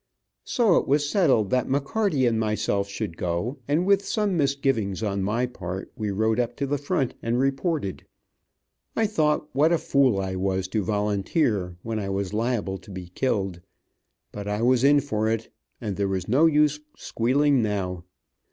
So it was settled that McCarty and myself should go, and with some misgivings on my part we rode up to the front and reported. I thought what a fool I was to volunteer, when I was liable to be killed, but I was in for it, and there was no use squealing now.